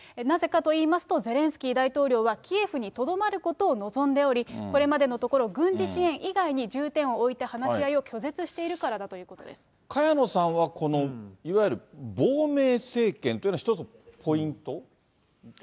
なぜかと言いますと、ゼレンスキー大統領はキエフにとどまることを望んでおり、これまでのところ、軍事支援以外に重点を置いた話し合いを拒絶しているからだという萱野さんはこのいわゆる亡命政権というのは、一つポイント？